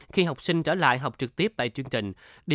khi học sinh trở lại học trực tiếp tại chương trình